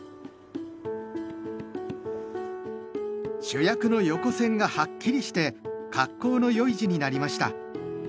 主役の横線がはっきりして格好の良い字になりました。